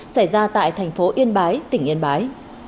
xảy ra tại tp yên bái tp yên bái